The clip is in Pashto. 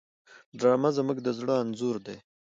ډرامه زموږ د زړه انځور دی